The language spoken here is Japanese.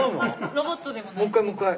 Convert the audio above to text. ロボットでもない。